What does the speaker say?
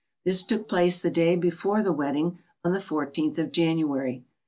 This took place the day before the wedding, on the 14th of January.